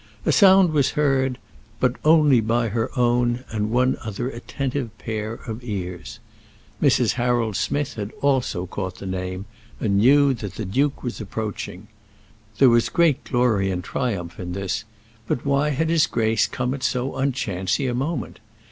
A sound was heard but only by her own and one other attentive pair of ears. Mrs. Harold Smith had also caught the name, and knew that the duke was approaching. There was great glory and triumph in this; but why had his grace come at so unchancy a moment?